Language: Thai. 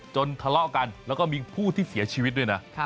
ทะเลาะกันแล้วก็มีผู้ที่เสียชีวิตด้วยนะ